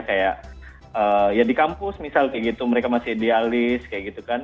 kayak ya di kampus misal kayak gitu mereka masih idealis kayak gitu kan